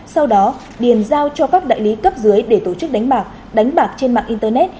sau đó điền giao cho các đại lý cấp dưới để tổ chức đánh bạc đánh bạc trên mạng internet